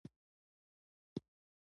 سړک د هر هېواد د تمدن او پرمختګ نښه ده